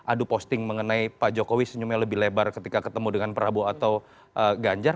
adu posting mengenai pak jokowi senyumnya lebih lebar ketika ketemu dengan prabowo atau ganjar